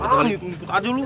pak ini ikut aja dulu